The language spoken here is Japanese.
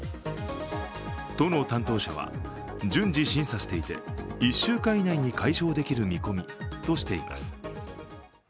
都の担当者は、順次審査していて１週間以内に解消できる見込みとしています。